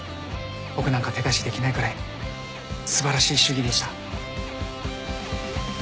僕なんか手出しできないくらい素晴らしい手技でした